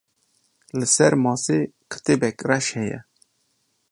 Li ser masê kitêbek reş heye.